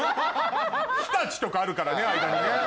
日立とかあるからね間にね。